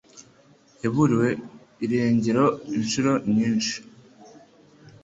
Yaburiwe irengero inshuro nyinshi.